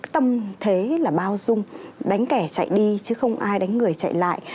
tâm thế là bao dung đánh kẻ chạy đi chứ không ai đánh người chạy lại